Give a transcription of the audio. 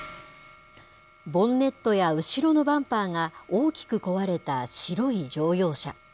ボンネットや後ろのバンパーが、大きく壊れた白い乗用車。